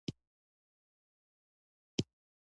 سنگ مرمر د افغانانو لپاره په معنوي لحاظ ارزښت لري.